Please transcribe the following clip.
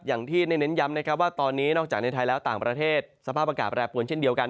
อย่างที่ได้เน้นย้ำนะครับว่าตอนนี้นอกจากในไทยแล้วต่างประเทศสภาพอากาศแปรปวนเช่นเดียวกัน